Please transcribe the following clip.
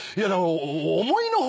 思いの外。